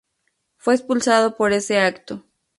Fue expulsado por ese acto.